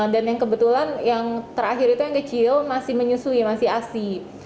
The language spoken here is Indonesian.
dan yang kebetulan yang terakhir itu yang kecil masih menyusui masih asyik